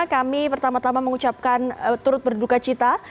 kami pertama tama mengucapkan turut berduka cita